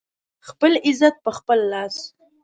خپل عزت په خپل لاس